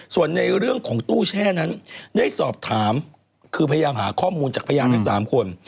ส่วนในเรื่องของตู้แช่นั้นได้สอบถามคือพยายามหาข้อมูลจากพยานทั้ง๓คน